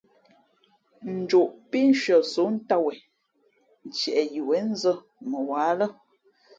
Njoʼ pí nshʉαsǒm ntām wen ntieʼ yi wěn nzᾱ mαwǎ lά.